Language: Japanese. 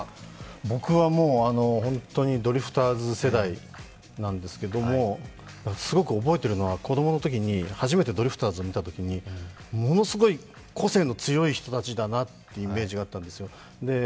僕は本当にドリフターズ世代なんですけども、すごく覚えてるのは、子供のときに初めてドリフターズを見たときにものすごい個性の強い人たちだなっていうイメージがあったんですよ。